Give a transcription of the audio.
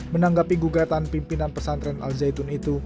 menanggapi gugatan pimpinan pesantren al zaitun itu